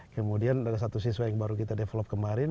kemudian ada satu siswa yang baru kita develop kemarin